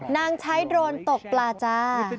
นางใช้โดรนตกปลาจ้า